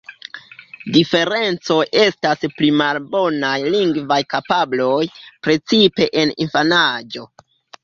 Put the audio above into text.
Diferencoj estas pli malbonaj lingvaj kapabloj, precipe en infanaĝo.